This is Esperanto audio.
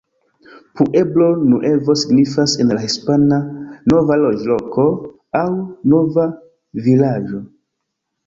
Pueblo Nuevo signifas en la hispana "nova loĝloko" aŭ "nova vilaĝo".